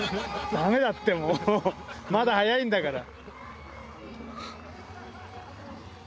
ダメだってもうまだ早いんだから。